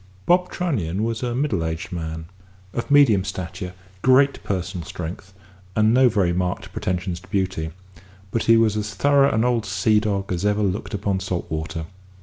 Bob Trunnion was a middle aged man, of medium stature, great personal strength, and no very marked pretensions to beauty; but he was as thorough an old sea dog as ever looked upon salt water.